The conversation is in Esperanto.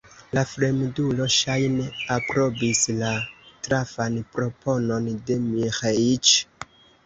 La fremdulo, ŝajne, aprobis la trafan proponon de Miĥeiĉ.